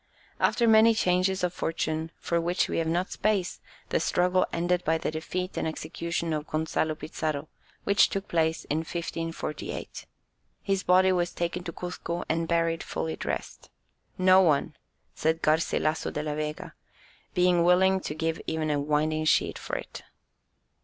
After many changes of fortune, for which we have not space, the struggle ended by the defeat and execution of Gonzalo Pizarro, which took place in 1548. His body was taken to Cuzco and buried fully dressed; "No one," says Garcilasso de la Vega, "being willing to give even a winding sheet for it."